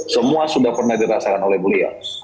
semua sudah pernah dirasakan oleh beliau